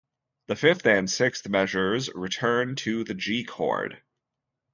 The fifth and sixth measures return to the G chord.